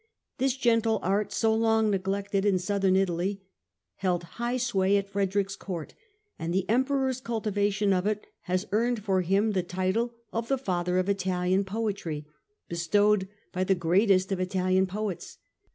This gentle art, so long neglected in Southern Italy, held high sway at Frederick's Court, and the Emperor's cultivation of it has earned for him the title of " the Father of Italian Poetry," bestowed by the greatest of Italian poets.